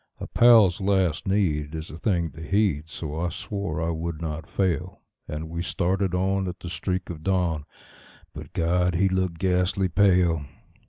A pal's last need is a thing to heed, so I swore I would not fail; And we started on at the streak of dawn; but God! he looked ghastly pale.